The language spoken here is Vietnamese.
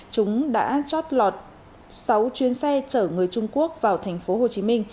chúng đã chót lọt sáu chuyến xe trở người trung quốc vào tp hcm